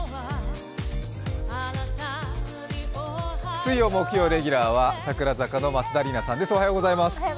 水曜木曜レギュラーは櫻坂４６の松田里奈さんです。